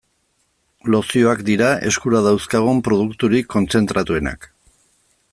Lozioak dira eskura dauzkagun produkturik kontzentratuenak.